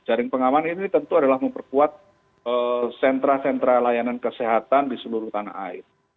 jaring pengaman ini tentu adalah memperkuat sentra sentra layanan kesehatan di seluruh tanah air